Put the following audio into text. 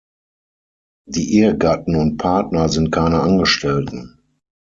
Die Ehegatten und Partner sind keine Angestellten.